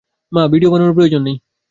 মা, ভিডিও বানানোর প্রয়োজন নেই।